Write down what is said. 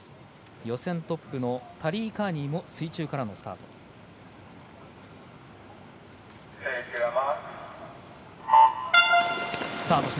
予選トップのタリー・カーニーも水中からのスタート。